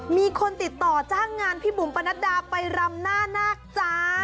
มีคนติดต่อจ้างงานพี่บุ๋มปนัดดาไปรำหน้านาคจ้า